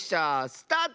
スタート！